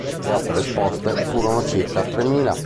Le opere esposte furono circa tremila.